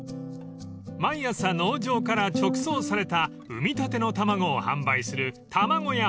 ［毎朝農場から直送された産みたての卵を販売する］